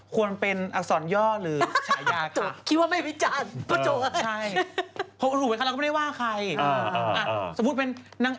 ควรเป็นอักษรย่อหรือฉายา